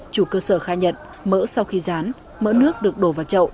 chủ cơ sở khai nhận mỡ sau khi rán mỡ nước được đổ vào chậu